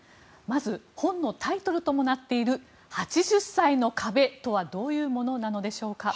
まず、本のタイトルともなっている「８０歳の壁」とはどういうものなのでしょうか。